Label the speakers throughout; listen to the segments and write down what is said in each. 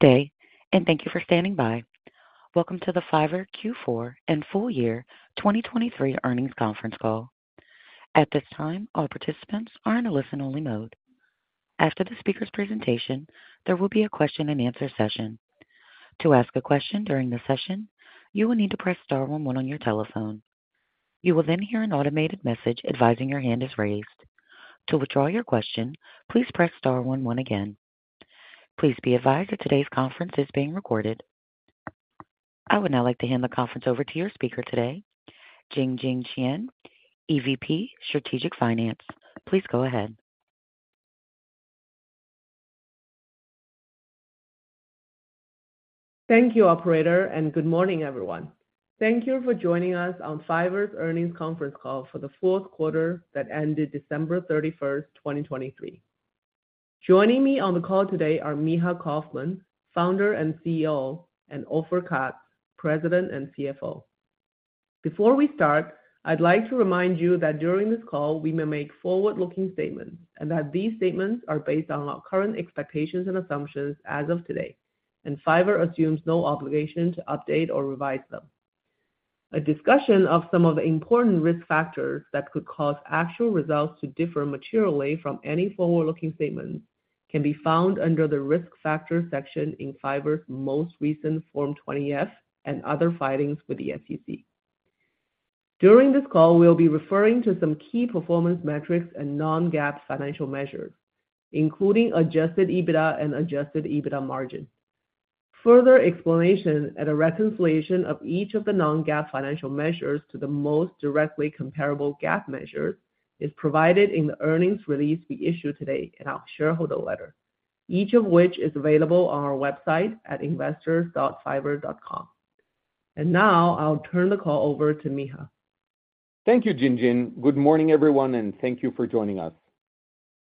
Speaker 1: Good day, and thank you for standing by. Welcome to the Fiverr Q4 and Full-year 2023 Earnings Conference Call. At this time, all participants are in a listen-only mode. After the speaker's presentation, there will be a question-and-answer session. To ask a question during the session, you will need to press star 11 on your telephone. You will then hear an automated message advising your hand is raised. To withdraw your question, please press star 11 again. Please be advised that today's conference is being recorded. I would now like to hand the conference over to your speaker today, Jinjin Qian, EVP Strategic Finance. Please go ahead.
Speaker 2: Thank you, operator, and good morning, everyone. Thank you for joining us on Fiverr's earnings conference call for the fourth quarter that ended December 31st, 2023. Joining me on the call today are Micha Kaufman, founder and CEO, and Ofer Katz, president and CFO. Before we start, I'd like to remind you that during this call, we may make forward-looking statements and that these statements are based on our current expectations and assumptions as of today, and Fiverr assumes no obligation to update or revise them. A discussion of some of the important risk factors that could cause actual results to differ materially from any forward-looking statements can be found under the risk factors section in Fiverr's most recent Form 20-F and other filings with the SEC. During this call, we'll be referring to some key performance metrics and non-GAAP financial measures, including Adjusted EBITDA and Adjusted EBITDA Margin. Further explanation and a reconciliation of each of the non-GAAP financial measures to the most directly comparable GAAP measures is provided in the earnings release we issue today in our shareholder letter, each of which is available on our website at investors.fiverr.com. Now I'll turn the call over to Micha.
Speaker 3: Thank you, Jinjin. Good morning, everyone, and thank you for joining us.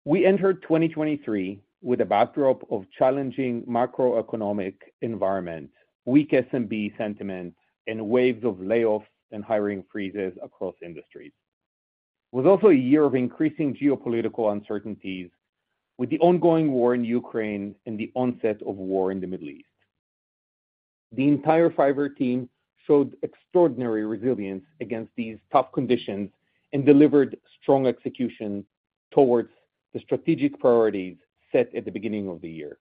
Speaker 3: We entered 2023 with a backdrop of challenging macroeconomic environment, weak SMB sentiment, and waves of layoffs and hiring freezes across industries. It was also a year of increasing geopolitical uncertainties with the ongoing war in Ukraine and the onset of war in the Middle East. The entire Fiverr team showed extraordinary resilience against these tough conditions and delivered strong execution towards the strategic priorities set at the beginning of the year.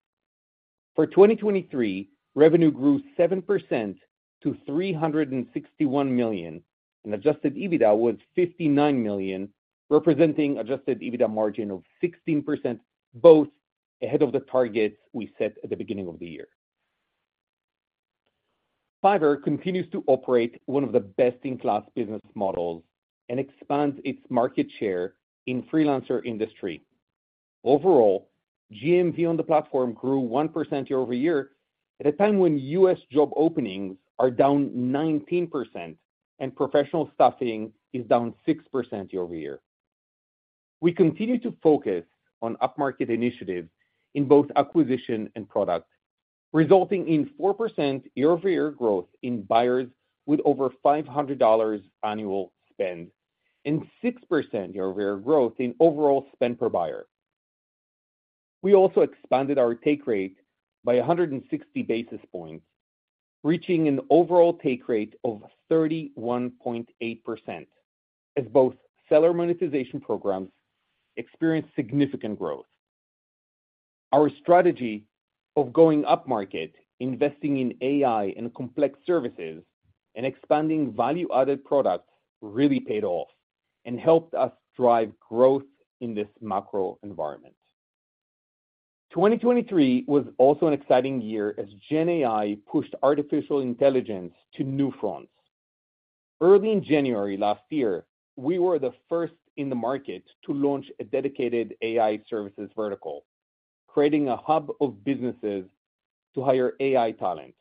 Speaker 3: For 2023, revenue grew 7% to $361 million, and Adjusted EBITDA was $59 million, representing an Adjusted EBITDA margin of 16%, both ahead of the targets we set at the beginning of the year. Fiverr continues to operate one of the best-in-class business models and expands its market share in the freelancer industry. Overall, GMV on the platform grew 1% year-over-year at a time when U.S. job openings are down 19% and professional staffing is down 6% year-over-year. We continue to focus on upmarket initiatives in both acquisition and product, resulting in 4% year-over-year growth in buyers with over $500 annual spend and 6% year-over-year growth in overall spend per buyer. We also expanded our take rate by 160 basis points, reaching an overall take rate of 31.8%, as both seller monetization programs experienced significant growth. Our strategy of going upmarket, investing in AI and complex services, and expanding value-added products really paid off and helped us drive growth in this macro environment. 2023 was also an exciting year as GenAI pushed artificial intelligence to new fronts. Early in January last year, we were the first in the market to launch a dedicated AI services vertical, creating a hub of businesses to hire AI talent.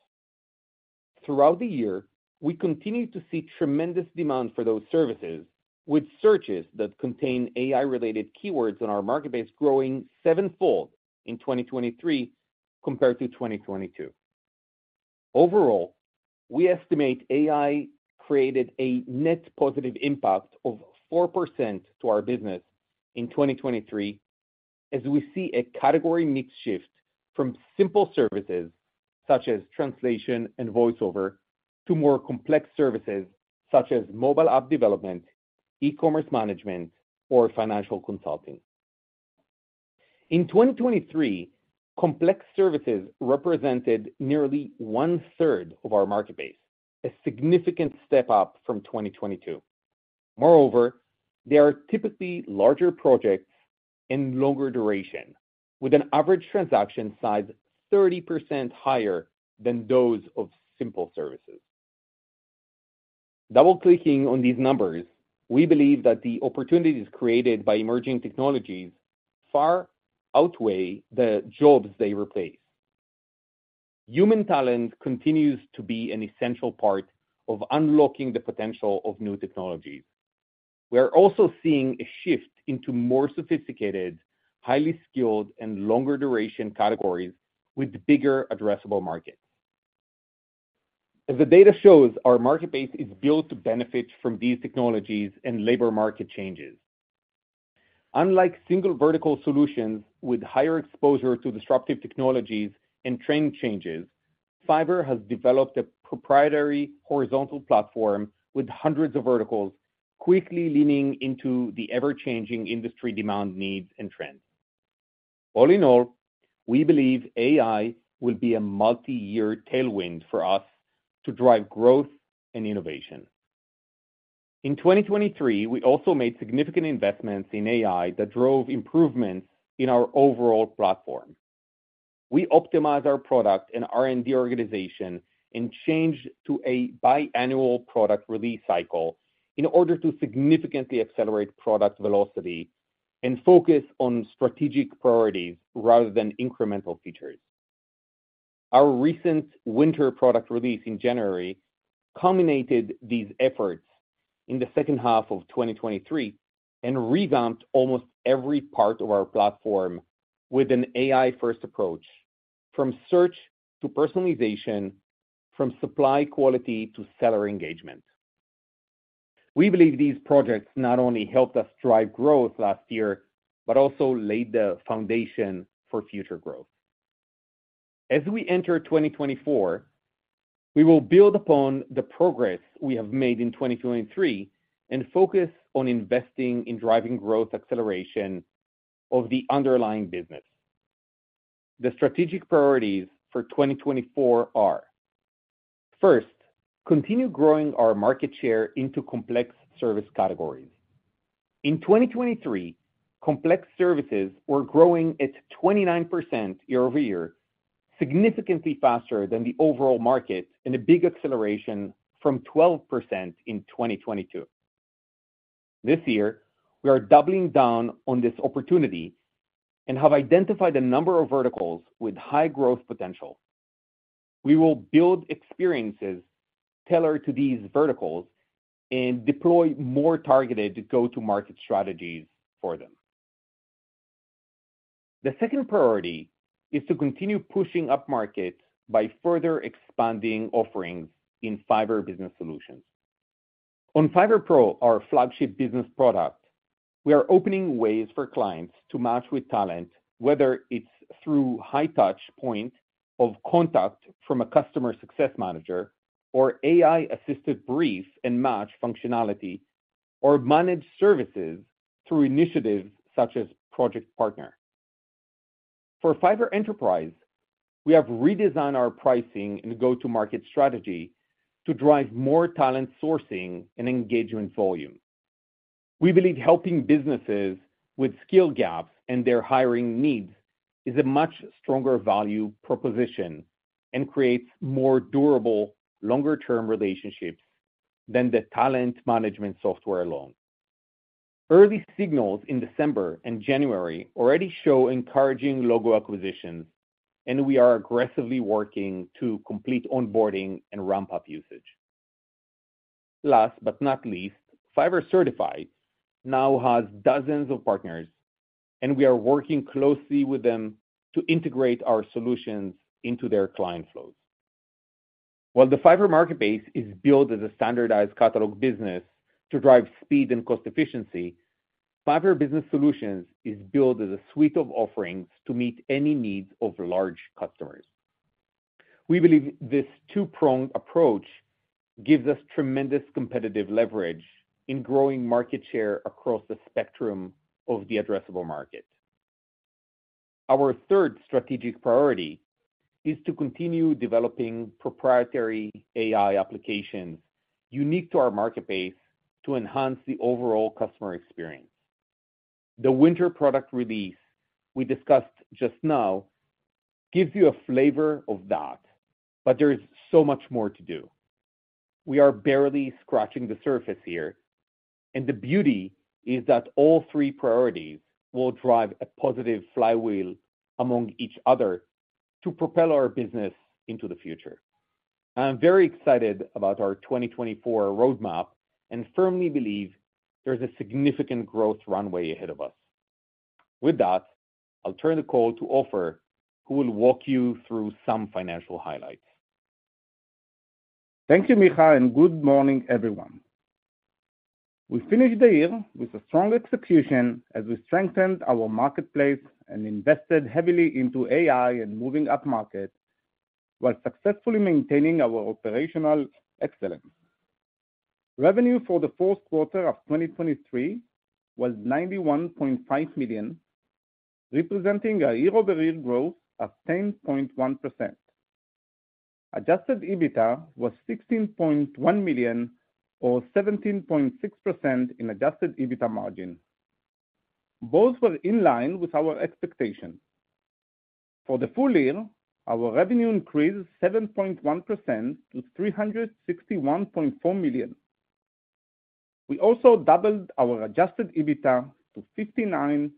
Speaker 3: Throughout the year, we continue to see tremendous demand for those services, with searches that contain AI-related keywords on our marketplace growing sevenfold in 2023 compared to 2022. Overall, we estimate AI created a net positive impact of 4% to our business in 2023, as we see a category mix shift from simple services such as translation and voiceover to more complex services such as mobile app development, e-commerce management, or financial consulting. In 2023, complex services represented nearly one-third of our marketplace, a significant step up from 2022. Moreover, they are typically larger projects and longer duration, with an average transaction size 30% higher than those of simple services. Double-clicking on these numbers, we believe that the opportunities created by emerging technologies far outweigh the jobs they replace. Human talent continues to be an essential part of unlocking the potential of new technologies. We are also seeing a shift into more sophisticated, highly skilled, and longer-duration categories with bigger addressable markets. As the data shows, our marketplace is built to benefit from these technologies and labor market changes. Unlike single vertical solutions with higher exposure to disruptive technologies and trend changes, Fiverr has developed a proprietary horizontal platform with hundreds of verticals, quickly leaning into the ever-changing industry demand, needs, and trends. All in all, we believe AI will be a multi-year tailwind for us to drive growth and innovation. In 2023, we also made significant investments in AI that drove improvements in our overall platform. We optimized our product and R&D organization and changed to a biannual product release cycle in order to significantly accelerate product velocity and focus on strategic priorities rather than incremental features. Our recent winter product release in January culminated these efforts in the second half of 2023 and revamped almost every part of our platform with an AI-first approach, from search to personalization, from supply quality to seller engagement. We believe these projects not only helped us drive growth last year but also laid the foundation for future growth. As we enter 2024, we will build upon the progress we have made in 2023 and focus on investing in driving growth acceleration of the underlying business. The strategic priorities for 2024 are: first, continue growing our market share into complex service categories. In 2023, complex services were growing at 29% year-over-year, significantly faster than the overall market and a big acceleration from 12% in 2022. This year, we are doubling down on this opportunity and have identified a number of verticals with high growth potential. We will build experiences tailored to these verticals and deploy more targeted go-to-market strategies for them. The second priority is to continue pushing upmarket by further expanding offerings in Fiverr Business Solutions. On Fiverr Pro, our flagship business product, we are opening ways for clients to match with talent, whether it's through high-touch point of contact from a customer success manager or AI-assisted brief and match functionality, or managed services through initiatives such as Project Partner. For Fiverr Enterprise, we have redesigned our pricing and go-to-market strategy to drive more talent sourcing and engagement volume. We believe helping businesses with skill gaps and their hiring needs is a much stronger value proposition and creates more durable, longer-term relationships than the talent management software alone. Early signals in December and January already show encouraging logo acquisitions, and we are aggressively working to complete onboarding and ramp up usage. Last but not least, Fiverr Certified now has dozens of partners, and we are working closely with them to integrate our solutions into their client flows. While the Fiverr marketplace is built as a standardized catalog business to drive speed and cost efficiency, Fiverr Business Solutions are built as a suite of offerings to meet any needs of large customers. We believe this two-pronged approach gives us tremendous competitive leverage in growing market share across the spectrum of the addressable market. Our third strategic priority is to continue developing proprietary AI applications unique to our marketplace to enhance the overall customer experience. The winter product release we discussed just now gives you a flavor of that, but there is so much more to do. We are barely scratching the surface here, and the beauty is that all three priorities will drive a positive flywheel among each other to propel our business into the future. I'm very excited about our 2024 roadmap and firmly believe there's a significant growth runway ahead of us. With that, I'll turn the call to Ofer Katz, who will walk you through some financial highlights.
Speaker 4: Thank you, Micha, and good morning, everyone. We finished the year with a strong execution as we strengthened our marketplace and invested heavily into AI and moving upmarket while successfully maintaining our operational excellence. Revenue for the fourth quarter of 2023 was $91.5 million, representing a year-over-year growth of 10.1%. Adjusted EBITDA was $16.1 million or 17.6% in adjusted EBITDA margin. Both were in line with our expectations. For the full year, our revenue increased 7.1% to $361.4 million. We also doubled our adjusted EBITDA to $59.2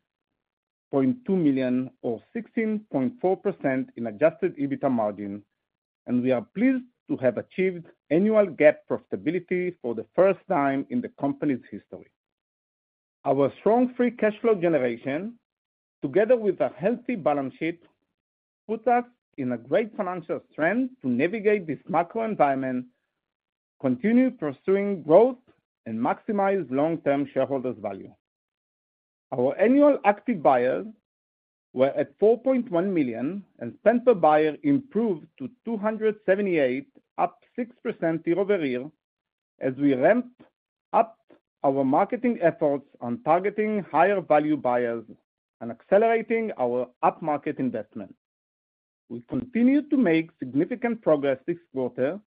Speaker 4: million or 16.4% in adjusted EBITDA margin, and we are pleased to have achieved annual GAAP profitability for the first time in the company's history. Our strong free cash flow generation, together with a healthy balance sheet, puts us in a great financial strength to navigate this macro environment, continue pursuing growth, and maximize long-term shareholders' value. Our annual Active Buyers were at 4.1 million, and Spend Per Buyer improved to $278, up 6% year-over-year as we ramped up our marketing efforts on targeting higher-value buyers and accelerating our upmarket investment. We continue to make significant progress this quarter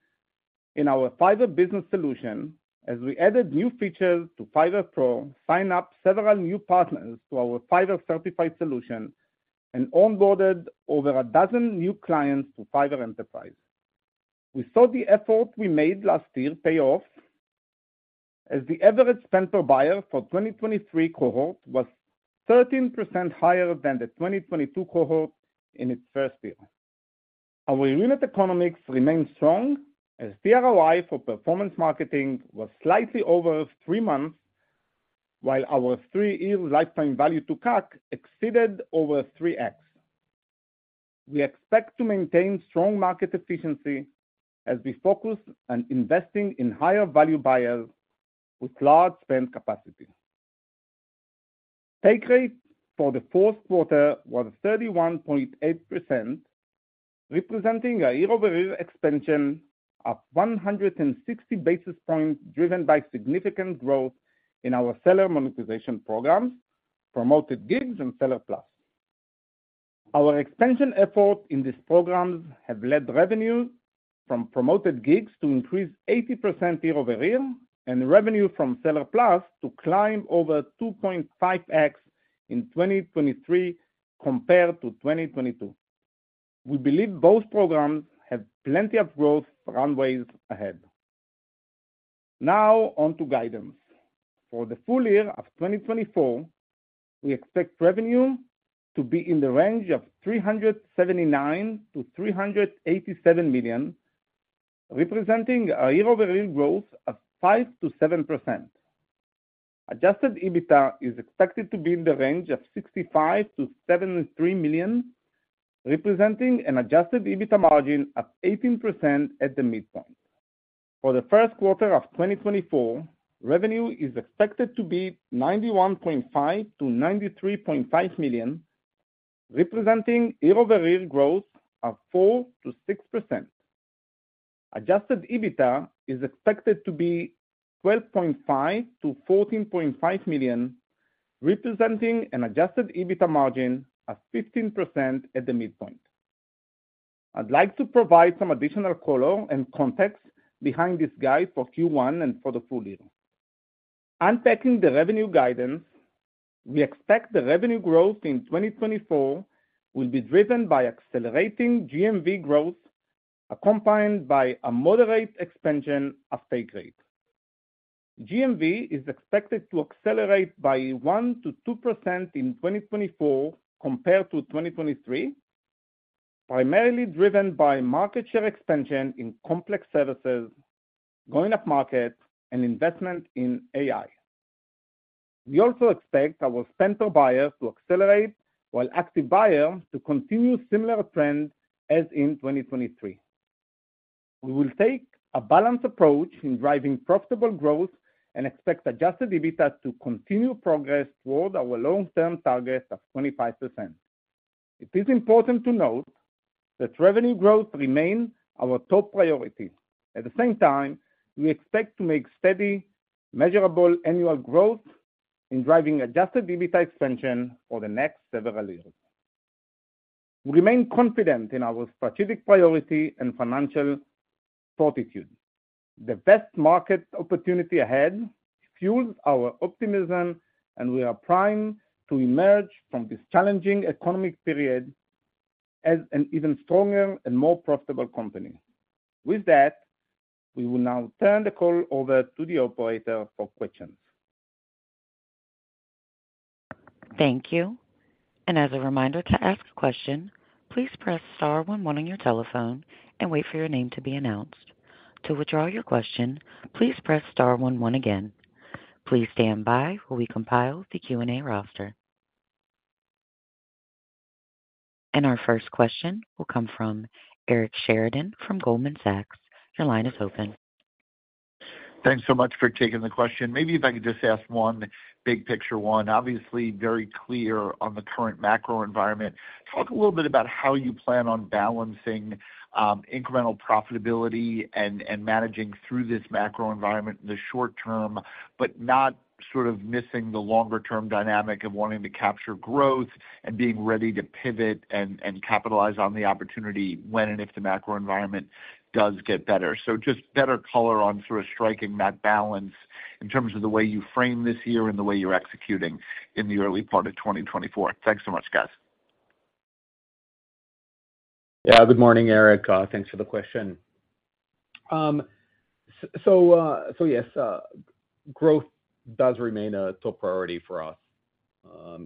Speaker 4: in our Fiverr Business solution as we added new features to Fiverr Pro, signed up several new partners to our Fiverr Certified solution, and onboarded over a dozen new clients to Fiverr Enterprise. We saw the effort we made last year pay off as the average Spend Per Buyer for the 2023 cohort was 13% higher than the 2022 cohort in its first year. Our unit economics remained strong as tROI for performance marketing was slightly over three months, while our three-year lifetime value to CAC exceeded over 3x. We expect to maintain strong market efficiency as we focus on investing in higher-value buyers with large spend capacity. Take Rate for the fourth quarter was 31.8%, representing a year-over-year expansion of 160 basis points driven by significant growth in our seller monetization programs, Promoted Gigs, and Seller Plus. Our expansion efforts in these programs have led revenue from Promoted Gigs to increase 80% year-over-year, and revenue from Seller Plus to climb over 2.5x in 2023 compared to 2022. We believe both programs have plenty of growth runways ahead. Now onto guidance. For the full year of 2024, we expect revenue to be in the range of $379 million-$387 million, representing a year-over-year growth of 5%-7%. Adjusted EBITDA is expected to be in the range of $65 million-$73 million, representing an adjusted EBITDA margin of 18% at the midpoint. For the first quarter of 2024, revenue is expected to be $91.5 million-$93.5 million, representing year-over-year growth of 4%-6%. Adjusted EBITDA is expected to be $12.5 million-$14.5 million, representing an adjusted EBITDA margin of 15% at the midpoint. I'd like to provide some additional color and context behind this guide for Q1 and for the full year. Unpacking the revenue guidance, we expect the revenue growth in 2024 will be driven by accelerating GMV growth accompanied by a moderate expansion of take rate. GMV is expected to accelerate by 1%-2% in 2024 compared to 2023, primarily driven by market share expansion in complex services, going upmarket, and investment in AI. We also expect our spend per buyer to accelerate while active buyers to continue similar trends as in 2023. We will take a balanced approach in driving profitable growth and expect Adjusted EBITDA to continue progress toward our long-term target of 25%. It is important to note that revenue growth remains our top priority. At the same time, we expect to make steady, measurable annual growth in driving Adjusted EBITDA expansion for the next several years. We remain confident in our strategic priority and financial fortitude. The best market opportunity ahead fuels our optimism, and we are primed to emerge from this challenging economic period as an even stronger and more profitable company. With that, we will now turn the call over to the operator for questions.
Speaker 1: Thank you. And as a reminder to ask a question, please press star 11 on your telephone and wait for your name to be announced. To withdraw your question, please press star 11 again. Please stand by while we compile the Q&A roster. And our first question will come from Eric Sheridan from Goldman Sachs. Your line is open.
Speaker 5: Thanks so much for taking the question. Maybe if I could just ask one big picture one. Obviously, very clear on the current macro environment. Talk a little bit about how you plan on balancing incremental profitability and managing through this macro environment in the short term, but not sort of missing the longer-term dynamic of wanting to capture growth and being ready to pivot and capitalize on the opportunity when and if the macro environment does get better. So just better color on sort of striking that balance in terms of the way you frame this year and the way you're executing in the early part of 2024. Thanks so much, guys.
Speaker 3: Yeah. Good morning, Eric Sheridan. Thanks for the question. So yes, growth does remain a top priority for us.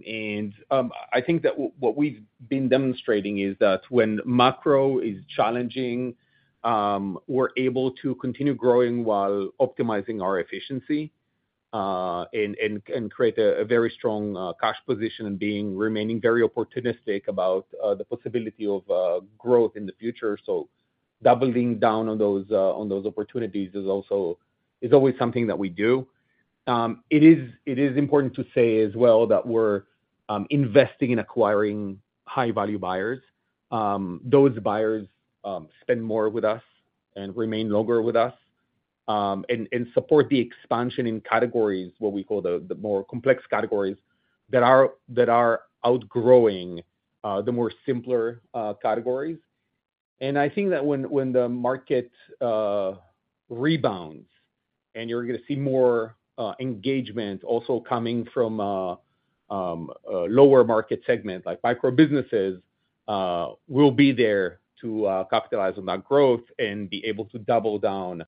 Speaker 3: And I think that what we've been demonstrating is that when macro is challenging, we're able to continue growing while optimizing our efficiency and create a very strong cash position and remaining very opportunistic about the possibility of growth in the future. So doubling down on those opportunities is always something that we do. It is important to say as well that we're investing in acquiring high-value buyers. Those buyers spend more with us and remain longer with us and support the expansion in categories, what we call the more complex categories that are outgrowing the more simpler categories. I think that when the market rebounds and you're going to see more engagement also coming from a lower market segment, like micro businesses will be there to capitalize on that growth and be able to double down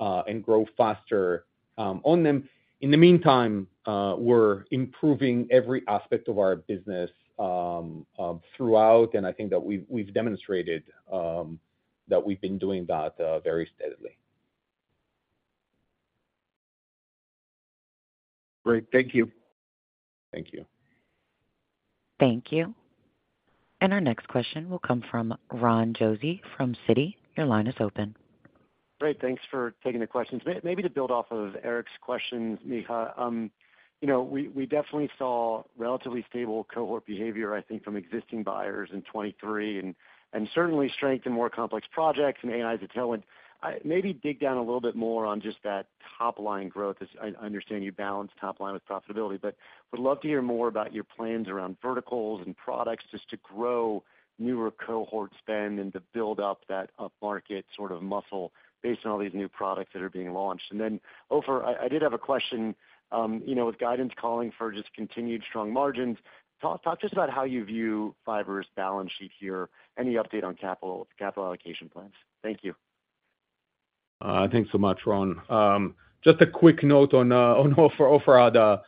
Speaker 3: and grow faster on them. In the meantime, we're improving every aspect of our business throughout, and I think that we've demonstrated that we've been doing that very steadily.
Speaker 5: Great. Thank you.
Speaker 3: Thank you.
Speaker 1: Thank you. And our next question will come from Ron Josey from Citi. Your line is open.
Speaker 6: Great. Thanks for taking the questions. Maybe to build off of Eric's questions, Micha, we definitely saw relatively stable cohort behavior, I think, from existing buyers in 2023 and certainly strength in more complex projects and AI as a tailwind. Maybe dig down a little bit more on just that top-line growth. I understand you balance top-line with profitability, but would love to hear more about your plans around verticals and products just to grow newer cohort spend and to build up that upmarket sort of muscle based on all these new products that are being launched. And then, Ofer, I did have a question. With guidance calling for just continued strong margins, talk just about how you view Fiverr's balance sheet here, any update on capital allocation plans. Thank you.
Speaker 3: Thanks so much, Ron. Just a quick note on Ofer: he had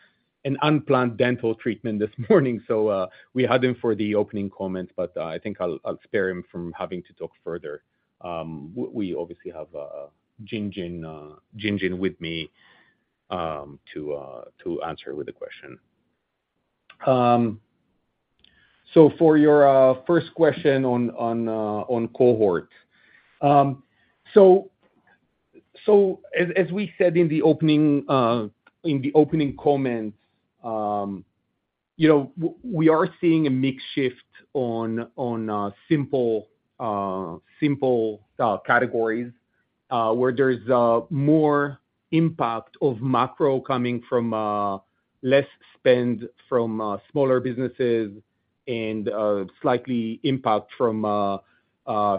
Speaker 3: an unplanned dental treatment this morning, so we had him for the opening comments, but I think I'll spare him from having to talk further. We obviously have Jinjin with me to answer your question. So for your first question on cohort, so as we said in the opening comments, we are seeing a mixed shift on simple categories where there's more impact of macro coming from less spend from smaller businesses and slight impact from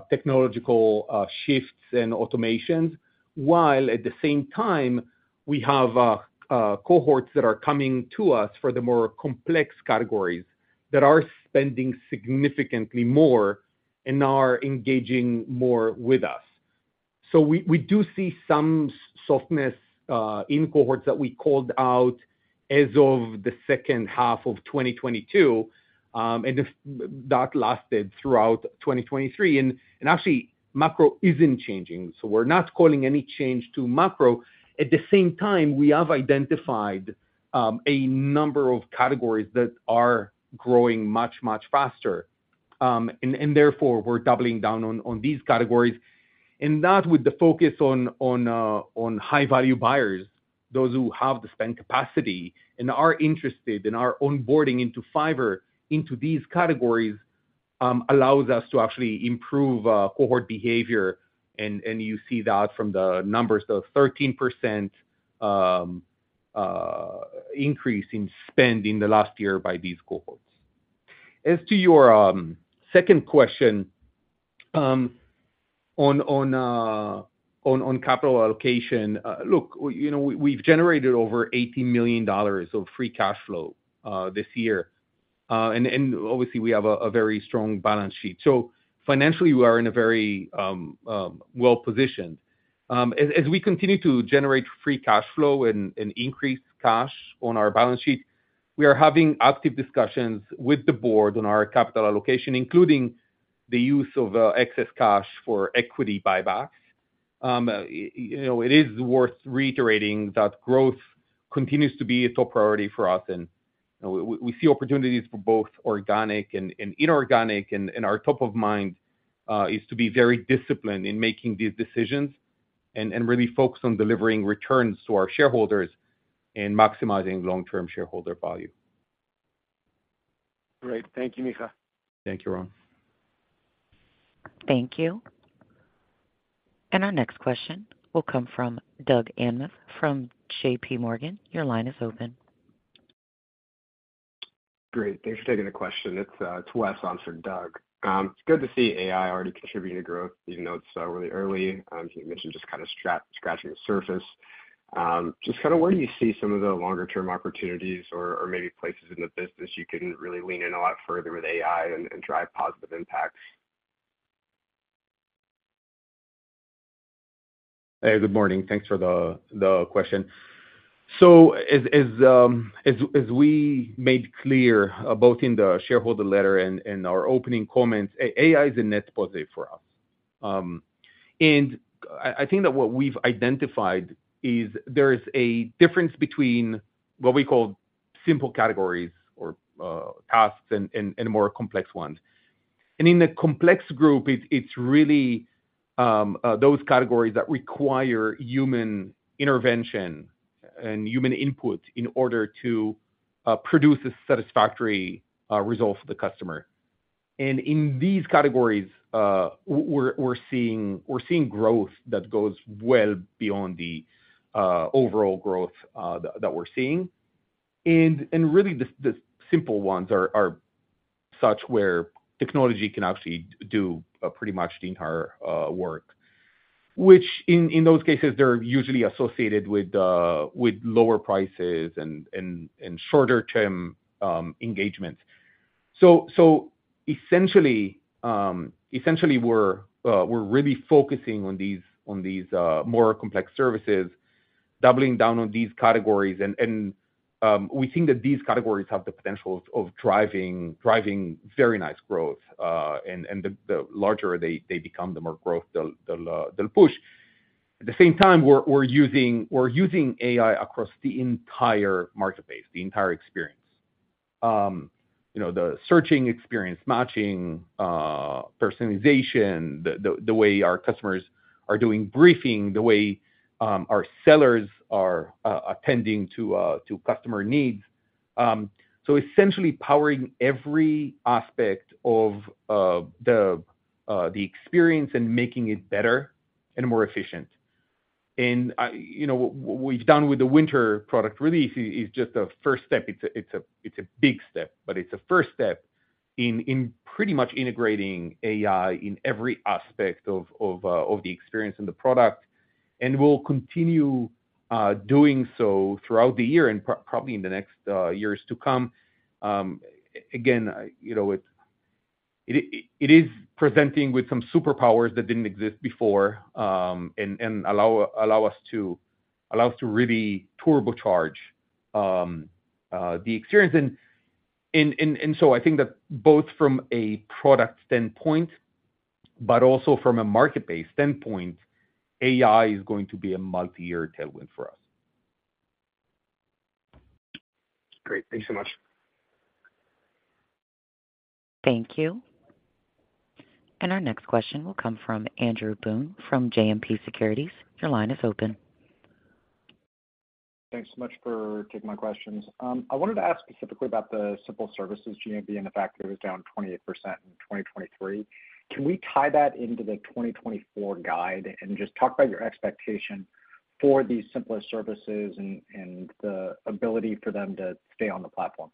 Speaker 3: technological shifts and automations, while at the same time, we have cohorts that are coming to us for the more complex categories that are spending significantly more and are engaging more with us. So we do see some softness in cohorts that we called out as of the second half of 2022, and that lasted throughout 2023. And actually, macro isn't changing. We're not calling any change to macro. At the same time, we have identified a number of categories that are growing much, much faster. Therefore, we're doubling down on these categories. And that with the focus on high-value buyers, those who have the spend capacity and are interested in our onboarding into Fiverr into these categories allows us to actually improve cohort behavior. You see that from the numbers, the 13% increase in spend in the last year by these cohorts. As to your second question on capital allocation, look, we've generated over $80 million of Free Cash Flow this year. Obviously, we have a very strong balance sheet. Financially, we are in a very well-positioned. As we continue to generate Free Cash Flow and increase cash on our balance sheet, we are having active discussions with the board on our capital allocation, including the use of excess cash for equity buybacks. It is worth reiterating that growth continues to be a top priority for us. We see opportunities for both organic and inorganic, and our top of mind is to be very disciplined in making these decisions and really focus on delivering returns to our shareholders and maximizing long-term shareholder value.
Speaker 6: Great. Thank you, Micha.
Speaker 3: Thank you, Ron.
Speaker 1: Thank you. Our next question will come from Doug Anmuth from JPMorgan. Your line is open.
Speaker 7: Great. Thanks for taking the question. It's Wes on for Doug. It's good to see AI already contributing to growth, even though it's really early. He mentioned just kind of scratching the surface. Just kind of where do you see some of the longer-term opportunities or maybe places in the business you can really lean in a lot further with AI and drive positive impacts?
Speaker 3: Hey, good morning. Thanks for the question. As we made clear both in the shareholder letter and our opening comments, AI is a net positive for us. I think that what we've identified is there is a difference between what we call simple categories or tasks and more complex ones. In the complex group, it's really those categories that require human intervention and human input in order to produce a satisfactory result for the customer. In these categories, we're seeing growth that goes well beyond the overall growth that we're seeing. Really, the simple ones are such where technology can actually do pretty much the entire work, which in those cases, they're usually associated with lower prices and shorter-term engagements. Essentially, we're really focusing on these more complex services, doubling down on these categories. We think that these categories have the potential of driving very nice growth. The larger they become, the more growth they'll push. At the same time, we're using AI across the entire marketplace, the entire experience, the searching experience, matching, personalization, the way our customers are doing briefing, the way our sellers are attending to customer needs. So essentially, powering every aspect of the experience and making it better and more efficient. What we've done with the winter product release is just a first step. It's a big step, but it's a first step in pretty much integrating AI in every aspect of the experience and the product. We'll continue doing so throughout the year and probably in the next years to come. Again, it is presenting with some superpowers that didn't exist before and allow us to really turbocharge the experience. And so I think that both from a product standpoint, but also from a marketplace standpoint, AI is going to be a multi-year tailwind for us.
Speaker 7: Great. Thanks so much.
Speaker 1: Thank you. Our next question will come from Andrew Boone from JMP Securities. Your line is open.
Speaker 8: Thanks so much for taking my questions. I wanted to ask specifically about the simple services, GMV, and the fact that it was down 28% in 2023. Can we tie that into the 2024 guide and just talk about your expectation for these simplest services and the ability for them to stay on the platform?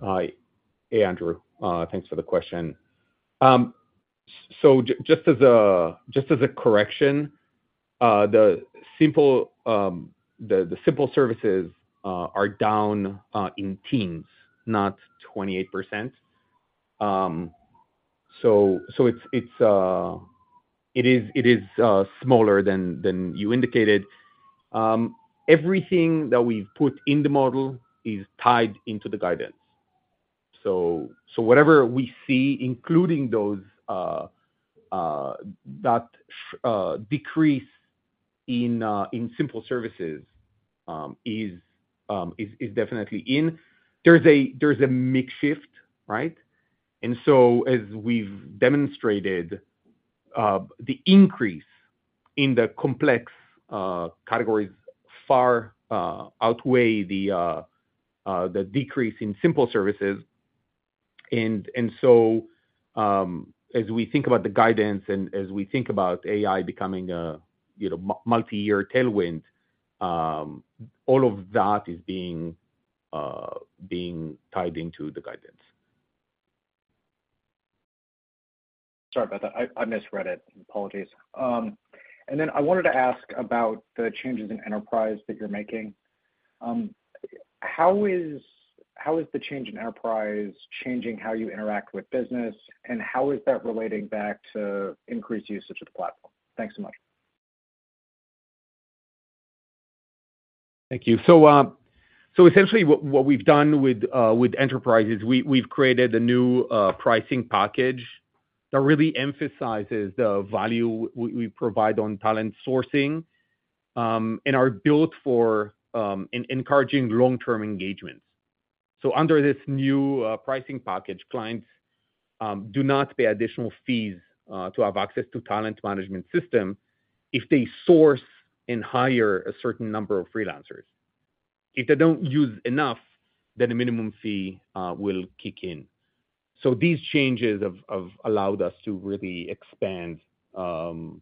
Speaker 3: Hey, Andrew. Thanks for the question. So just as a correction, the simple services are down in the teens, not 28%. So it is smaller than you indicated. Everything that we've put in the model is tied into the guidance. So whatever we see, including that decrease in simple services, is definitely in. There's a mix shift, right? And so as we've demonstrated, the increase in the complex categories far outweigh the decrease in simple services. And so as we think about the guidance and as we think about AI becoming a multi-year tailwind, all of that is being tied into the guidance.
Speaker 8: Sorry about that. I misread it. Apologies. And then I wanted to ask about the changes in enterprise that you're making. How is the change in enterprise changing how you interact with business, and how is that relating back to increased usage of the platform? Thanks so much.
Speaker 3: Thank you. So essentially, what we've done with enterprise is we've created a new pricing package that really emphasizes the value we provide on talent sourcing and are built for encouraging long-term engagements. So under this new pricing package, clients do not pay additional fees to have access to talent management system if they source and hire a certain number of freelancers. If they don't use enough, then a minimum fee will kick in. So these changes have allowed us to really expand and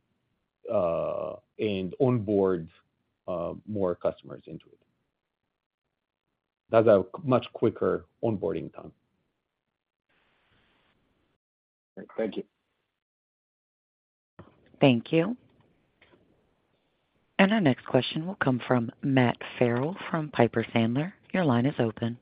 Speaker 3: onboard more customers into it. That's a much quicker onboarding time.
Speaker 8: Great. Thank you.
Speaker 1: Thank you. Our next question will come from Matt Farrell from Piper Sandler. Your line is open.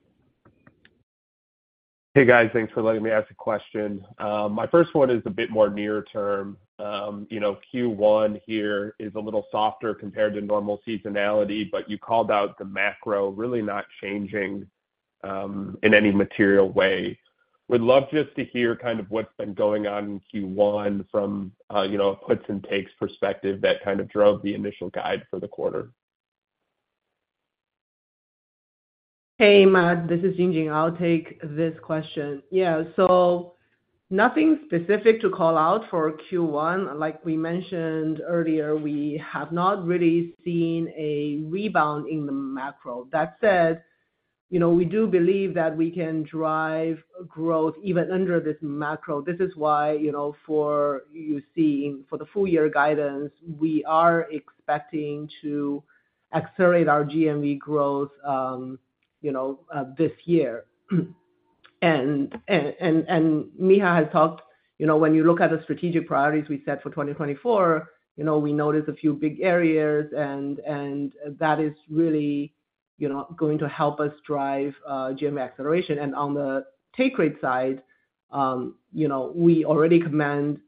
Speaker 9: Hey, guys. Thanks for letting me ask a question. My first one is a bit more near-term. Q1 here is a little softer compared to normal seasonality, but you called out the macro really not changing in any material way. We'd love just to hear kind of what's been going on in Q1 from a puts-and-takes perspective that kind of drove the initial guide for the quarter.
Speaker 2: Hey, Matt. This is Jinjin. I'll take this question. Yeah. So nothing specific to call out for Q1. Like we mentioned earlier, we have not really seen a rebound in the macro. That said, we do believe that we can drive growth even under this macro. This is why for you see for the full-year guidance, we are expecting to accelerate our GMV growth this year. And Micha has talked when you look at the strategic priorities we set for 2024, we notice a few big areas, and that is really going to help us drive GMV acceleration. And on the take-rate side, we already command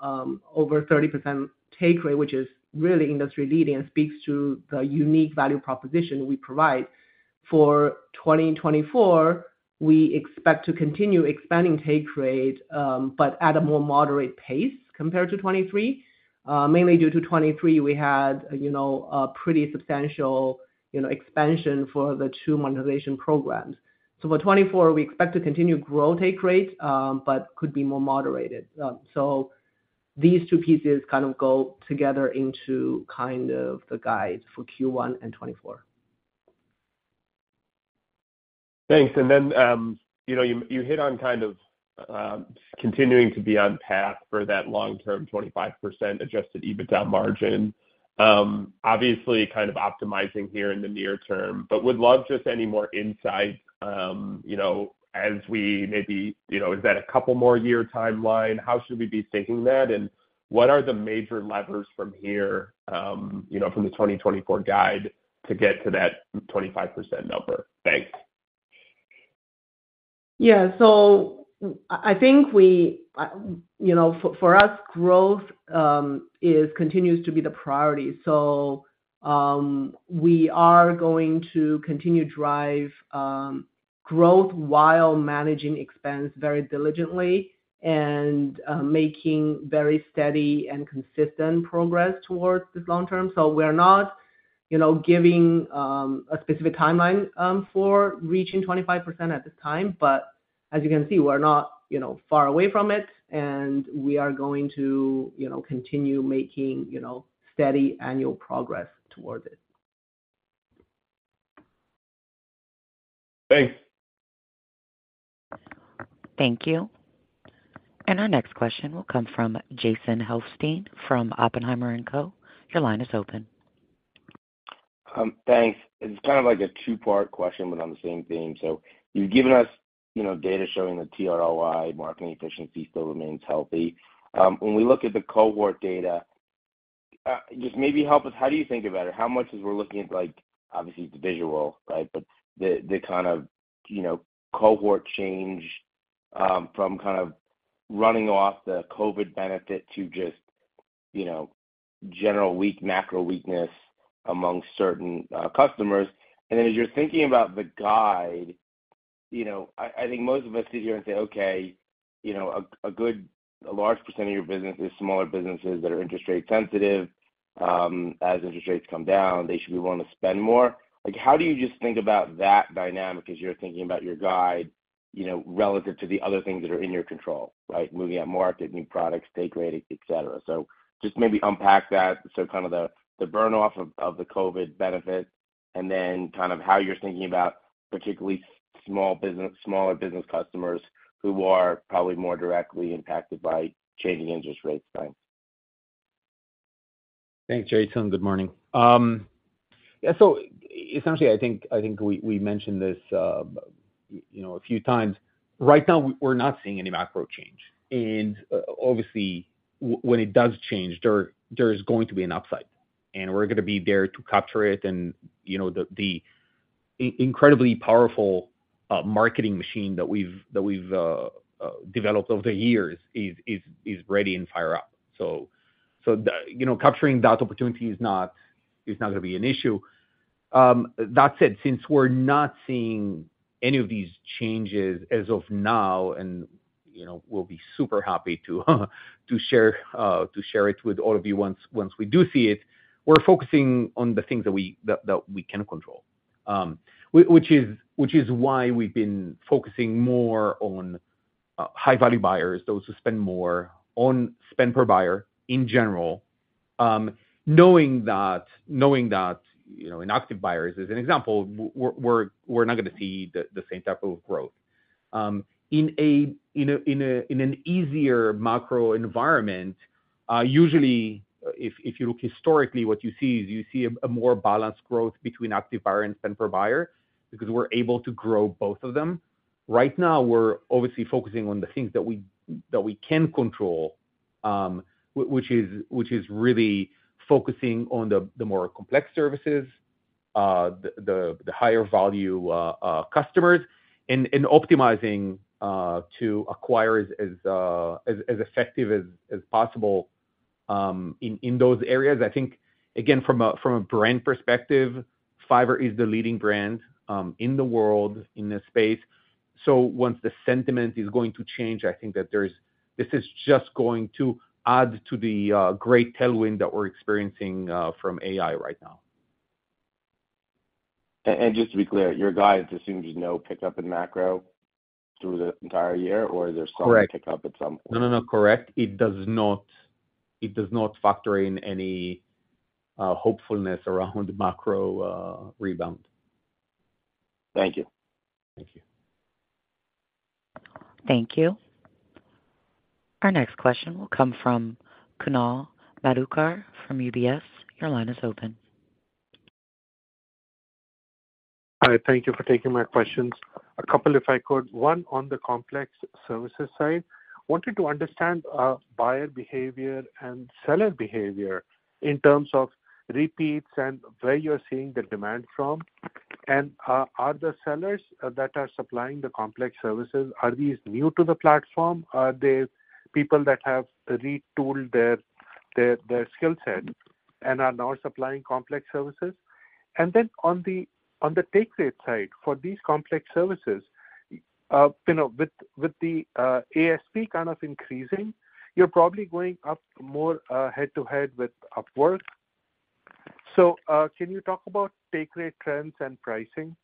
Speaker 2: over 30% take rate, which is really industry-leading and speaks to the unique value proposition we provide. For 2024, we expect to continue expanding take rate, but at a more moderate pace compared to 2023, mainly due to 2023, we had a pretty substantial expansion for the two monetization programs. So for 2024, we expect to continue grow take rate, but could be more moderated. So these two pieces kind of go together into kind of the guide for Q1 and 2024.
Speaker 9: Thanks. And then you hit on kind of continuing to be on path for that long-term 25% Adjusted EBITDA margin, obviously kind of optimizing here in the near term, but would love just any more insight as we maybe is that a couple more year timeline? How should we be thinking that? And what are the major levers from here from the 2024 guide to get to that 25% number? Thanks.
Speaker 2: Yeah. I think for us, growth continues to be the priority. We are going to continue to drive growth while managing expense very diligently and making very steady and consistent progress towards this long term. We're not giving a specific timeline for reaching 25% at this time. As you can see, we're not far away from it. We are going to continue making steady annual progress towards it.
Speaker 9: Thanks.
Speaker 1: Thank you. Our next question will come from Jason Helfstein from Oppenheimer & Co. Your line is open.
Speaker 10: Thanks. It's kind of like a two-part question, but on the same theme. So you've given us data showing the truly marketing efficiency still remains healthy. When we look at the cohort data, just maybe help us, how do you think about it? How much is we're looking at obviously, it's visual, right? But the kind of cohort change from kind of running off the COVID benefit to just general weak macro weakness among certain customers. And then as you're thinking about the guide, I think most of us sit here and say, "Okay, a large percent of your business is smaller businesses that are interest rate sensitive. As interest rates come down, they should be willing to spend more." How do you just think about that dynamic as you're thinking about your guide relative to the other things that are in your control, right? Moving up market, new products, take rate, etc. So just maybe unpack that. So kind of the burn-off of the COVID benefit and then kind of how you're thinking about particularly smaller business customers who are probably more directly impacted by changing interest rates. Thanks.
Speaker 3: Thanks, Jason. Good morning. Yeah. So essentially, I think we mentioned this a few times. Right now, we're not seeing any macro change. And obviously, when it does change, there is going to be an upside. And we're going to be there to capture it. And the incredibly powerful marketing machine that we've developed over the years is ready and fired up. So capturing that opportunity is not going to be an issue. That said, since we're not seeing any of these changes as of now, and we'll be super happy to share it with all of you once we do see it, we're focusing on the things that we can control, which is why we've been focusing more on high-value buyers, those who spend more, on spend per buyer in general, knowing that inactive buyers, as an example, we're not going to see the same type of growth. In an easier macro environment, usually, if you look historically, what you see is you see a more balanced growth between active buyer and spend-per-buyer because we're able to grow both of them. Right now, we're obviously focusing on the things that we can control, which is really focusing on the more complex services, the higher-value customers, and optimizing to acquire as effective as possible in those areas. I think, again, from a brand perspective, Fiverr is the leading brand in the world, in this space. So once the sentiment is going to change, I think that this is just going to add to the great tailwind that we're experiencing from AI right now.
Speaker 10: Just to be clear, your guide assumes no pickup in macro through the entire year, or is there some pickup at some point?
Speaker 3: Correct. No, no, no. Correct. It does not factor in any hopefulness around macro rebound.
Speaker 10: Thank you.
Speaker 3: Thank you.
Speaker 1: Thank you. Our next question will come from Kunal Madhukar from UBS. Your line is open.
Speaker 11: Hi. Thank you for taking my questions. A couple, if I could. One, on the complex services side, wanted to understand buyer behavior and seller behavior in terms of repeats and where you're seeing the demand from. And are the sellers that are supplying the complex services, are these new to the platform? Are they people that have retooled their skill set and are now supplying complex services? And then on the Take Rate side, for these complex services, with the ASP kind of increasing, you're probably going up more head-to-head with Upwork. So can you talk about Take Rate trends and pricing?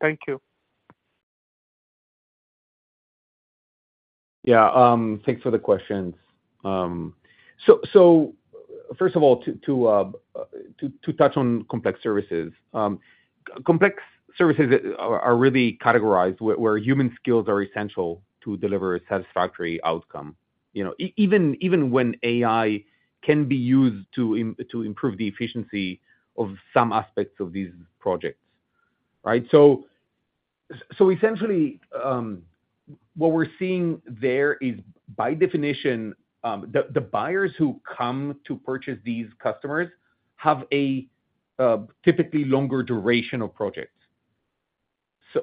Speaker 11: Thank you.
Speaker 3: Yeah. Thanks for the questions. So first of all, to touch on complex services, complex services are really categorized where human skills are essential to deliver a satisfactory outcome, even when AI can be used to improve the efficiency of some aspects of these projects, right? So essentially, what we're seeing there is, by definition, the buyers who come to purchase these customers have a typically longer duration of projects.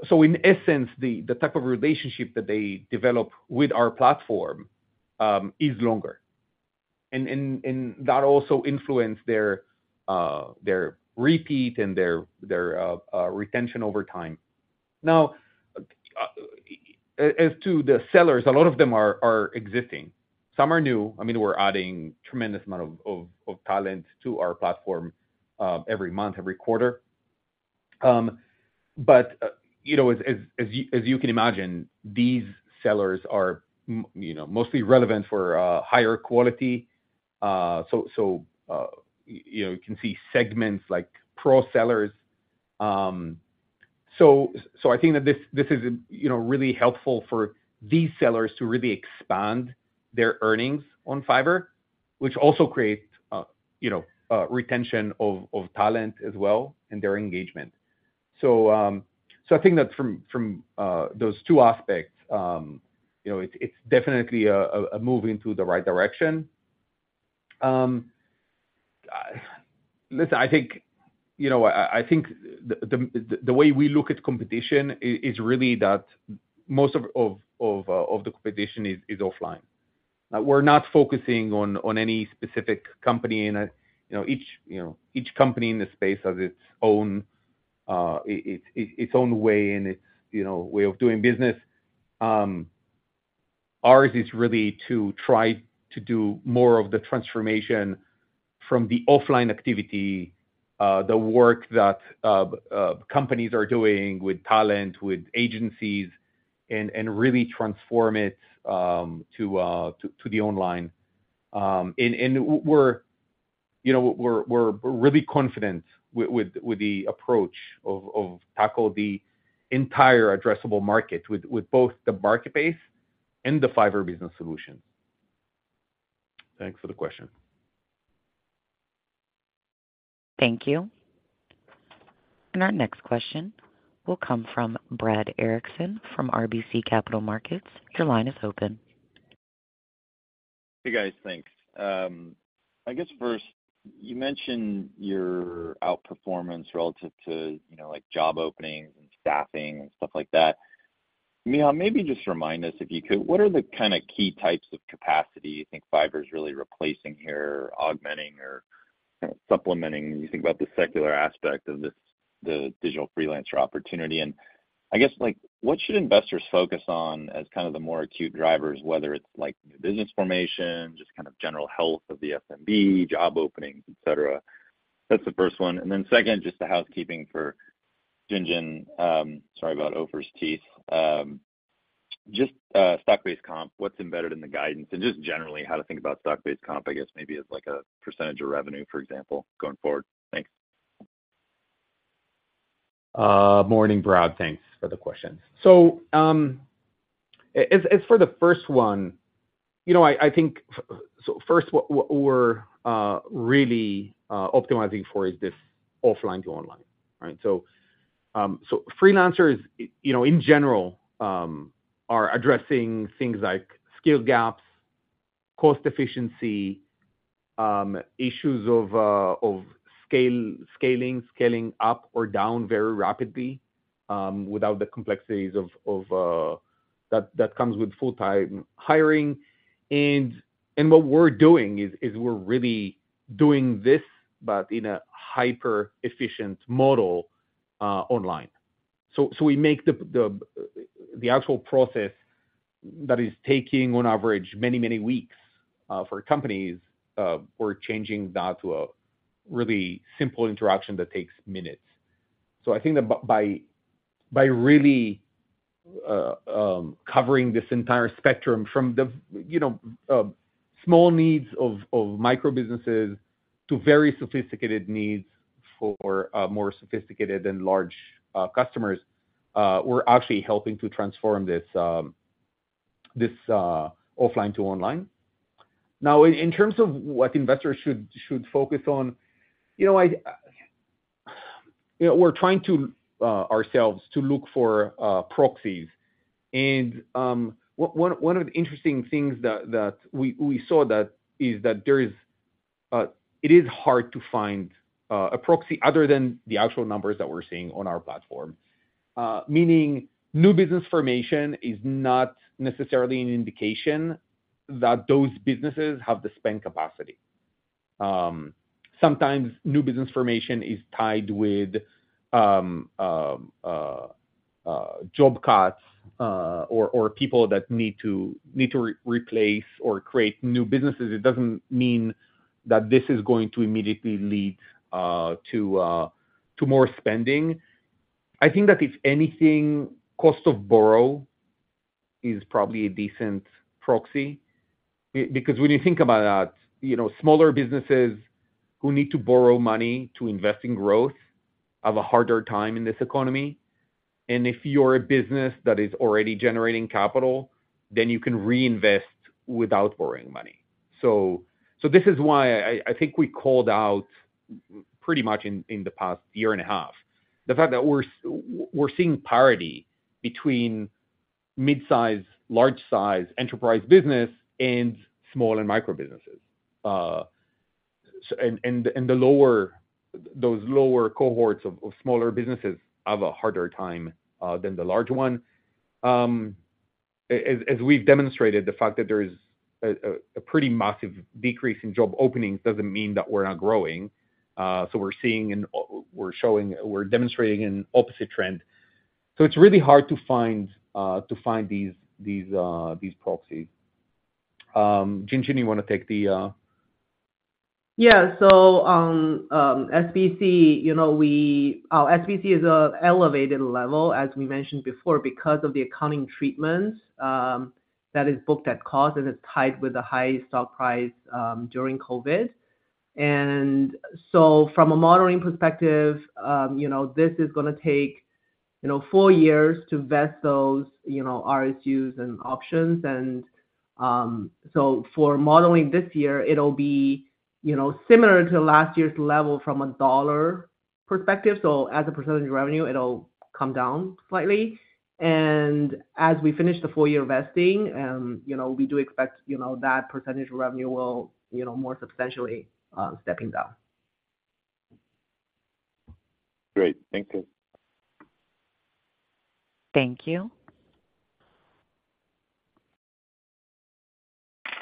Speaker 3: So in essence, the type of relationship that they develop with our platform is longer. And that also influences their repeat and their retention over time. Now, as to the sellers, a lot of them are existing. Some are new. I mean, we're adding a tremendous amount of talent to our platform every month, every quarter. But as you can imagine, these sellers are mostly relevant for higher quality. So you can see segments like Pro sellers. So I think that this is really helpful for these sellers to really expand their earnings on Fiverr, which also creates retention of talent as well and their engagement. So I think that from those two aspects, it's definitely a move into the right direction. Listen, I think the way we look at competition is really that most of the competition is offline. We're not focusing on any specific company. Each company in the space has its own way and its way of doing business. Ours is really to try to do more of the transformation from the offline activity, the work that companies are doing with talent, with agencies, and really transform it to the online. And we're really confident with the approach of tackling the entire addressable market with both the marketplace and the Fiverr Business Solutions. Thanks for the question.
Speaker 1: Thank you. Our next question will come from Brad Erickson from RBC Capital Markets. Your line is open.
Speaker 12: Hey, guys. Thanks. I guess first, you mentioned your outperformance relative to job openings and staffing and stuff like that. Micha, maybe just remind us, if you could, what are the kind of key types of capacity you think Fiverr is really replacing here, augmenting or kind of supplementing when you think about the secular aspect of the digital freelancer opportunity? And I guess what should investors focus on as kind of the more acute drivers, whether it's new business formation, just kind of general health of the SMB, job openings, etc.? That's the first one. And then second, just the housekeeping for Jinjin. Sorry about Ofer's teeth. Just stock-based comp, what's embedded in the guidance? And just generally, how to think about stock-based comp, I guess, maybe as a percentage of revenue, for example, going forward. Thanks.
Speaker 3: Morning, Brad. Thanks for the questions. So as for the first one, I think. So first, what we're really optimizing for is this offline to online, right? So freelancers, in general, are addressing things like skill gaps, cost efficiency, issues of scaling, scaling up or down very rapidly without the complexities that come with full-time hiring. And what we're doing is we're really doing this, but in a hyper-efficient model online. So we make the actual process that is taking, on average, many, many weeks for companies. We're changing that to a really simple interaction that takes minutes. So I think that by really covering this entire spectrum from the small needs of microbusinesses to very sophisticated needs for more sophisticated and large customers, we're actually helping to transform this offline to online. Now, in terms of what investors should focus on, we're trying ourselves to look for proxies. One of the interesting things that we saw is that it is hard to find a proxy other than the actual numbers that we're seeing on our platform, meaning new business formation is not necessarily an indication that those businesses have the spend capacity. Sometimes new business formation is tied with job cuts or people that need to replace or create new businesses. It doesn't mean that this is going to immediately lead to more spending. I think that if anything, cost of borrow is probably a decent proxy because when you think about that, smaller businesses who need to borrow money to invest in growth have a harder time in this economy. And if you're a business that is already generating capital, then you can reinvest without borrowing money. So this is why I think we called out pretty much in the past year and a half, the fact that we're seeing parity between mid-size, large-size enterprise business and small and micro businesses. And those lower cohorts of smaller businesses have a harder time than the large one. As we've demonstrated, the fact that there's a pretty massive decrease in job openings doesn't mean that we're not growing. So we're seeing and we're demonstrating an opposite trend. So it's really hard to find these proxies. Jinjin, you want to take the?
Speaker 2: Yeah. So SBC, our SBC is an elevated level, as we mentioned before, because of the accounting treatment that is booked at cost and is tied with the high stock price during COVID. And so from a modeling perspective, this is going to take four years to vest those RSUs and options. And so for modeling this year, it'll be similar to last year's level from a dollar perspective. So as a percentage of revenue, it'll come down slightly. And as we finish the four-year vesting, we do expect that percentage of revenue will more substantially step down.
Speaker 12: Great. Thank you.
Speaker 1: Thank you.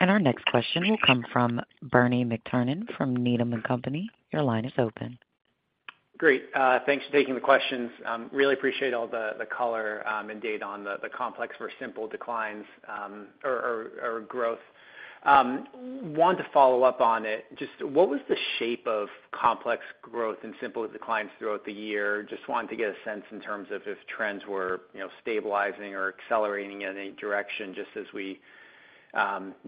Speaker 1: Our next question will come from Bernie McTernan from Needham & Company. Your line is open.
Speaker 13: Great. Thanks for taking the questions. Really appreciate all the color and data on the complex versus simple declines or growth. Want to follow up on it. Just what was the shape of complex growth and simple declines throughout the year? Just wanted to get a sense in terms of if trends were stabilizing or accelerating in any direction just as we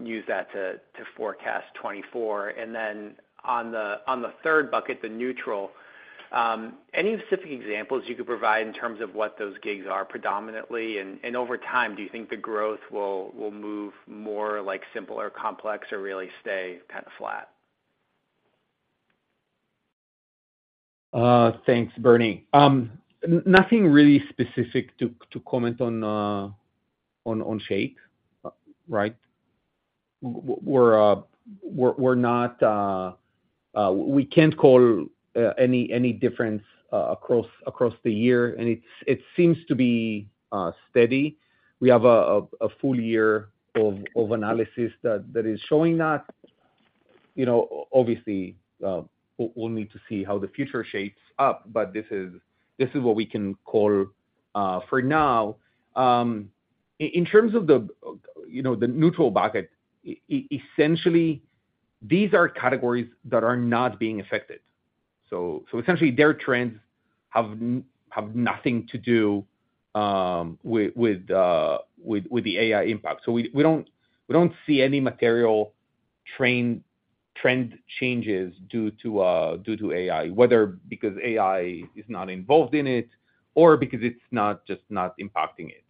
Speaker 13: use that to forecast 2024. And then on the third bucket, the neutral, any specific examples you could provide in terms of what those gigs are predominantly? And over time, do you think the growth will move more like simple or complex or really stay kind of flat?
Speaker 3: Thanks, Bernie. Nothing really specific to comment on shape, right? We're not. We can't call any difference across the year. It seems to be steady. We have a full year of analysis that is showing that. Obviously, we'll need to see how the future shapes up, but this is what we can call for now. In terms of the neutral bucket, essentially, these are categories that are not being affected. So essentially, their trends have nothing to do with the AI impact. So we don't see any material trend changes due to AI, whether because AI is not involved in it or because it's just not impacting it.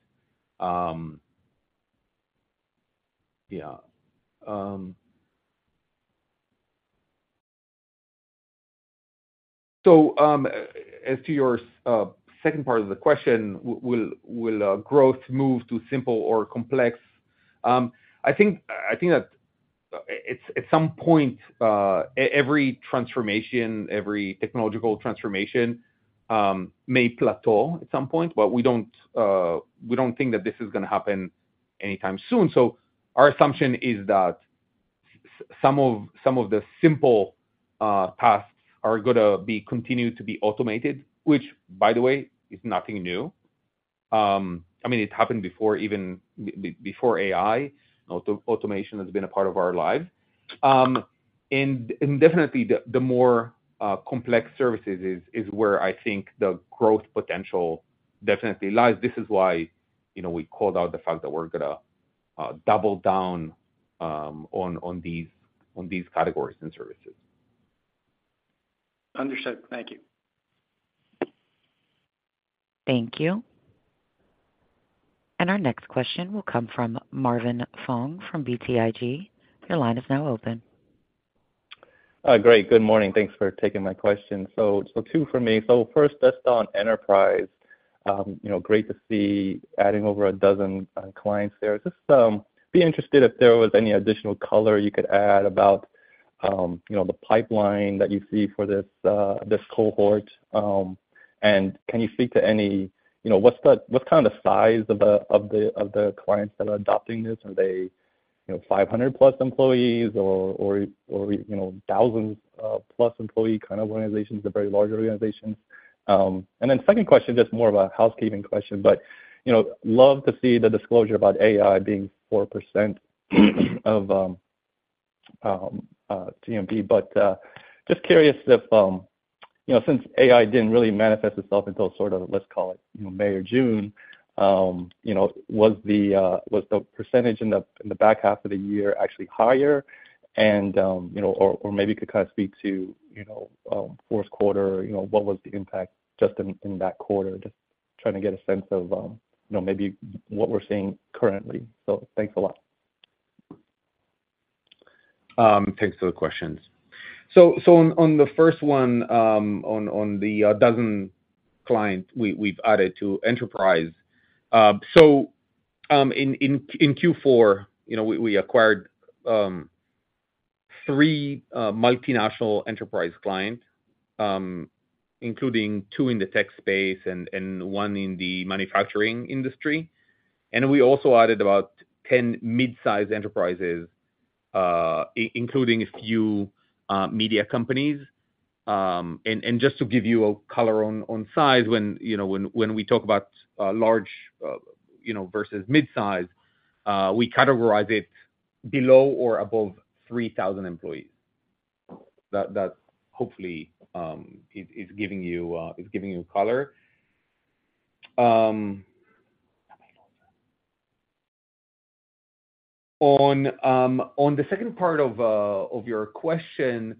Speaker 3: Yeah. So as to your second part of the question, will growth move to simple or complex? I think that at some point, every transformation, every technological transformation may plateau at some point, but we don't think that this is going to happen anytime soon. So our assumption is that some of the simple tasks are going to continue to be automated, which, by the way, is nothing new. I mean, it happened before AI. Automation has been a part of our lives. And definitely, the more complex services is where I think the growth potential definitely lies. This is why we called out the fact that we're going to double down on these categories and services.
Speaker 13: Understood. Thank you.
Speaker 1: Thank you. Our next question will come from Marvin Fong from BTIG. Your line is now open.
Speaker 14: Great. Good morning. Thanks for taking my question. So two for me. So first, just on enterprise. Great to see adding over a dozen clients there. Just be interested if there was any additional color you could add about the pipeline that you see for this cohort. And can you speak to any what's kind of the size of the clients that are adopting this? Are they 500+ employees or thousands+ employee kind of organizations, the very large organizations? And then second question, just more of a housekeeping question, but love to see the disclosure about AI being 4% of GMV. But just curious if since AI didn't really manifest itself until sort of, let's call it, May or June, was the percentage in the back half of the year actually higher? Or maybe you could kind of speak to fourth quarter, what was the impact just in that quarter? Just trying to get a sense of maybe what we're seeing currently. So thanks a lot.
Speaker 3: Thanks for the questions. So on the first one, on the 12 clients we've added to enterprise. So in Q4, we acquired 3 multinational enterprise clients, including 2 in the tech space and 1 in the manufacturing industry. And we also added about 10 mid-size enterprises, including a few media companies. And just to give you a color on size, when we talk about large versus mid-size, we categorize it below or above 3,000 employees. That hopefully is giving you color. On the second part of your question,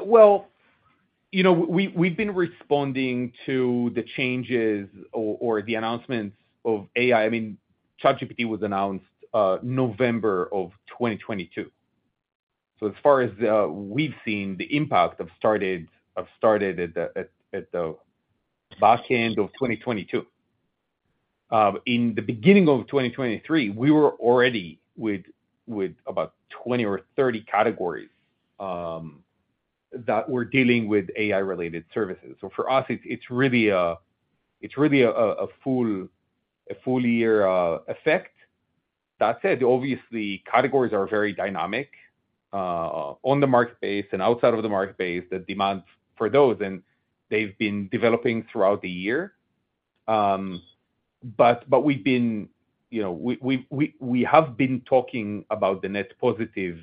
Speaker 3: well, we've been responding to the changes or the announcements of AI. I mean, ChatGPT was announced November of 2022. So as far as we've seen, the impact started at the back end of 2022. In the beginning of 2023, we were already with about 20 or 30 categories that were dealing with AI-related services. So for us, it's really a full-year effect. That said, obviously, categories are very dynamic on the marketplace and outside of the marketplace, the demand for those, and they've been developing throughout the year. But we've been talking about the net positive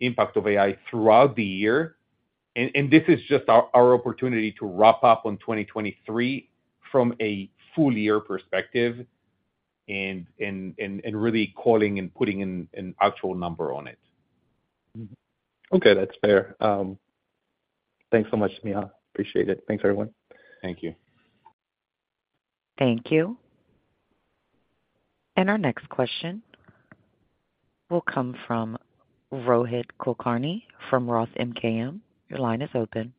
Speaker 3: impact of AI throughout the year. And this is just our opportunity to wrap up on 2023 from a full-year perspective and really calling and putting an actual number on it. Okay. That's fair. Thanks so much, Micha. Appreciate it. Thanks, everyone. Thank you.
Speaker 1: Thank you. And our next question will come from Rohit Kulkarni from Roth MKM. Your line is open.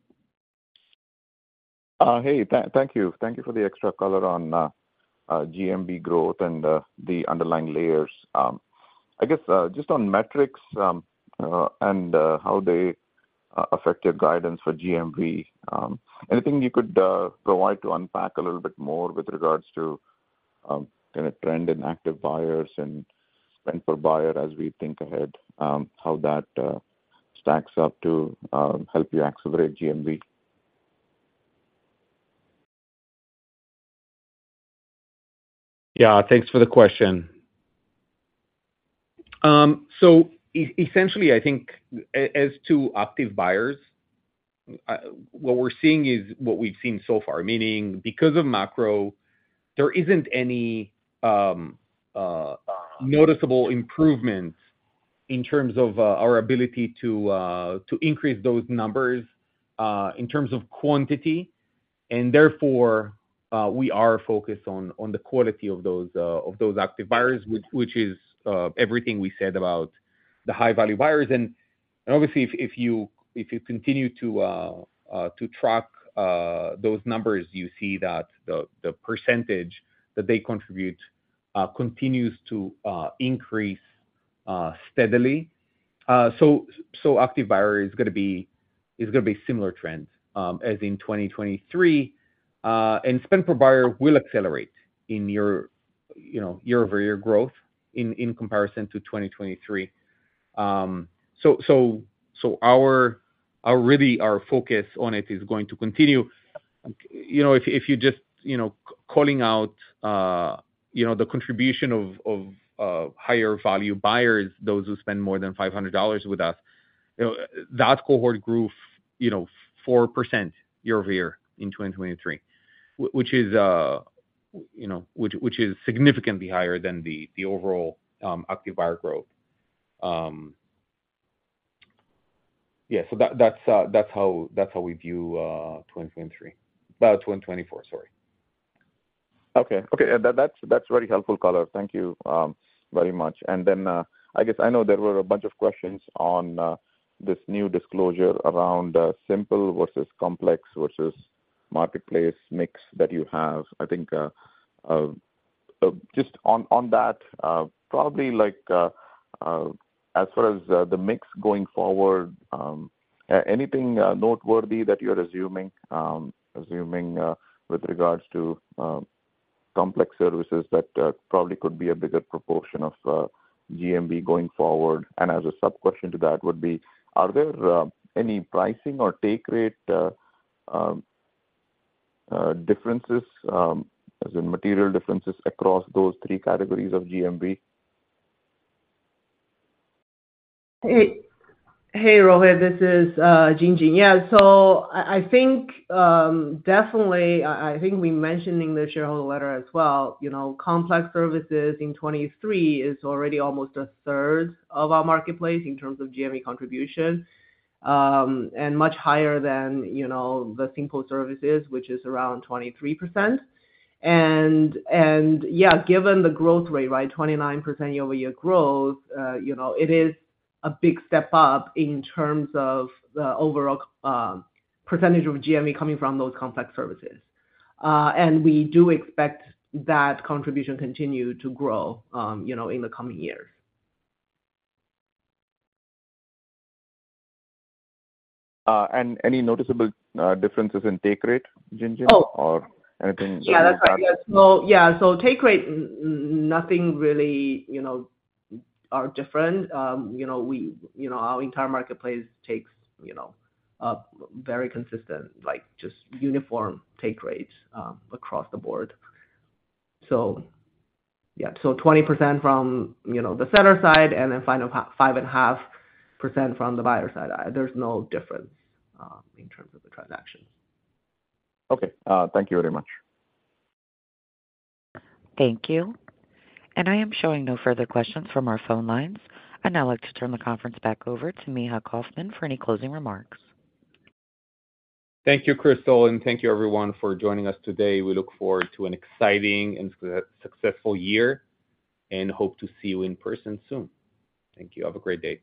Speaker 15: Hey. Thank you. Thank you for the extra color on GMV growth and the underlying layers. I guess just on metrics and how they affect your guidance for GMV, anything you could provide to unpack a little bit more with regards to kind of trend and active buyers and spend per buyer as we think ahead, how that stacks up to help you accelerate GMV?
Speaker 3: Yeah. Thanks for the question. So essentially, I think as to active buyers, what we're seeing is what we've seen so far, meaning because of macro, there isn't any noticeable improvement in terms of our ability to increase those numbers in terms of quantity. And therefore, we are focused on the quality of those active buyers, which is everything we said about the high-value buyers. And obviously, if you continue to track those numbers, you see that the percentage that they contribute continues to increase steadily. So active buyer is going to be a similar trend as in 2023. And spend-per-buyer will accelerate in year-over-year growth in comparison to 2023. So really, our focus on it is going to continue. If you're just calling out the contribution of higher-value buyers, those who spend more than $500 with us, that cohort grew 4% year-over-year in 2023, which is significantly higher than the overall active buyer growth. Yeah. So that's how we view 2023, about 2024, sorry.
Speaker 15: Okay. Okay. That's very helpful color. Thank you very much. And then I guess I know there were a bunch of questions on this new disclosure around simple versus complex versus marketplace mix that you have. I think just on that, probably as far as the mix going forward, anything noteworthy that you're assuming with regards to complex services that probably could be a bigger proportion of GMV going forward? And as a sub-question to that would be, are there any pricing or take-rate differences, as in material differences, across those three categories of GMV?
Speaker 2: Hey, Rohit. This is Jinjin. Yeah. So I think definitely I think we mentioned in the shareholder letter as well, complex services in 2023 is already almost a third of our marketplace in terms of GMV contribution and much higher than the simple services, which is around 23%. And yeah, given the growth rate, right, 29% year-over-year growth, it is a big step up in terms of the overall percentage of GMV coming from those complex services. And we do expect that contribution to continue to grow in the coming years.
Speaker 15: Any noticeable differences in take rate, Jinjin, or anything?
Speaker 2: Oh, yeah. That's right. Yeah. So take-rate, nothing really are different. Our entire marketplace takes very consistent, just uniform take-rates across the board. So yeah. So 20% from the seller side and then 5.5% from the buyer side. There's no difference in terms of the transactions.
Speaker 15: Okay. Thank you very much.
Speaker 1: Thank you. I am showing no further questions from our phone lines. I would now like to turn the conference back over to Micha Kaufman for any closing remarks.
Speaker 3: Thank you, Crystal. Thank you, everyone, for joining us today. We look forward to an exciting and successful year and hope to see you in person soon. Thank you. Have a great day.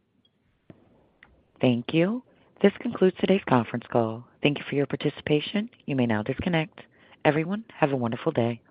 Speaker 1: Thank you. This concludes today's conference call. Thank you for your participation. You may now disconnect. Everyone, have a wonderful day.